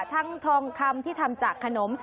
ทองคำที่ทำจากขนม